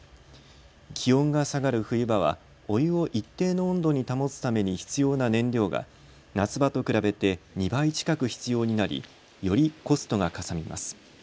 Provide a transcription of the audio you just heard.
気温が下がる冬場はお湯を一定の温度に保つために必要な燃料が夏場と比べて２倍近く必要になりよりコストがかさみます。